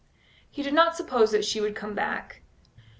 He did not suppose that she would come back.